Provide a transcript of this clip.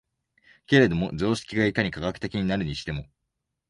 けれども常識がいかに科学的になるにしても、